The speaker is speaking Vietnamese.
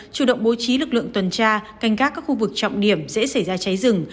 chủ động bố trí lực lượng tuần tra canh gác các khu vực trọng điểm dễ xảy ra cháy rừng